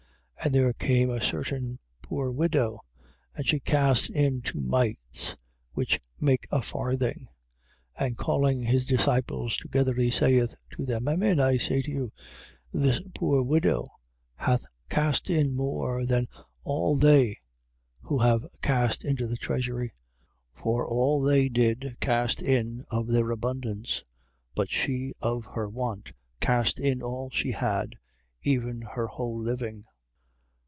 12:42. And there came a certain poor widow: and she cast in two mites, which make a farthing. 12:43. And calling his disciples together, he saith to them: Amen I say to you, this poor widow hath cast in more than all they who have cast into the treasury. 12:44. For all they did cast in of their abundance; but she of her want cast in all she had, even her whole living.